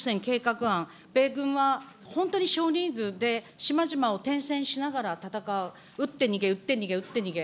日米共同作戦計画案、米軍は本当に少人数で島々を転戦しながら、戦う、撃って逃げ、撃って逃げ、撃って逃げ。